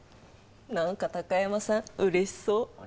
何か貴山さんうれしそう。